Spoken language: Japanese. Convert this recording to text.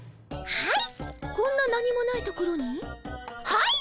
はい！